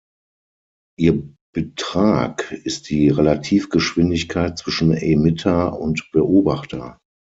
Ihr Betrag ist die Relativgeschwindigkeit zwischen Emitter und Beobachter.